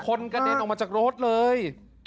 กระเด็นออกมาจากรถเลย